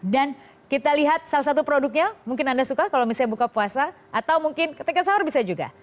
dan kita lihat salah satu produknya mungkin anda suka kalau misalnya buka puasa atau mungkin ketika sahur bisa juga